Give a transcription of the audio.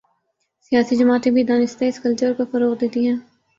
سیاسی جماعتیں بھی دانستہ اس کلچرکو فروغ دیتی ہیں۔